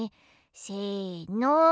せの。